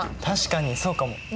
確かにそうかも！